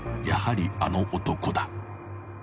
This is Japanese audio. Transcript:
やはりあの男だ］